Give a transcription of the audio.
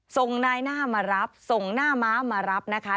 ส่งนายหน้ามารับส่งหน้าม้ามารับนะคะ